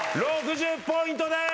６０ポイントです。